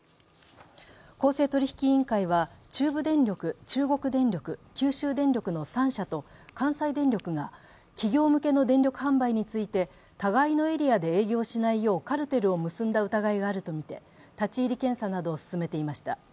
公正取引委員会は、中部電力中国電力、九州電力の３社と関西電力が企業向けの電力販売について互いのエリアで営業しないようカルテルを結んだ疑いがあるとみて立ち入り検査などを進めていました。